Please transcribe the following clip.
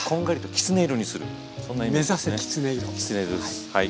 きつね色ですはい。